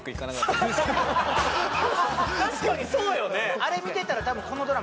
確かにそうよね！